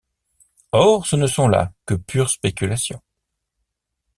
Or ce ne sont là que pures spéculations.